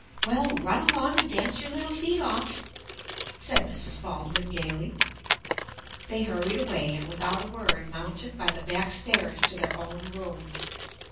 "Well, run along and dance your little feet off," said Mrs. Baldwin gaily. They hurried away, and without a word mounted by the back stairs to their own room.